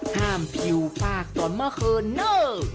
ผิวฝากตอนเมื่อคืนเนอะ